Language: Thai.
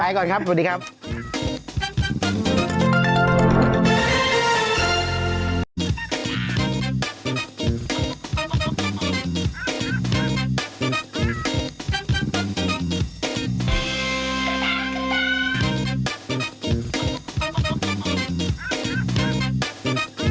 ก่อนครับสวัสดีครับ